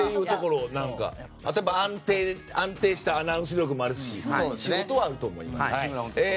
あと、やっぱり安定したアナウンス力もあるし仕事はあると思います。